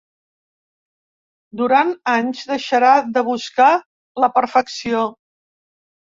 Durant anys deixarà de buscar la perfecció.